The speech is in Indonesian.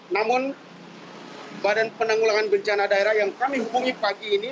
namun badan penanggulangan bencana daerah yang kami hubungi pagi ini